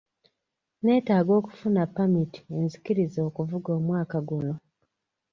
Neetaaga okufuna ppamiti enzikiriza okuvuga omwaka guno.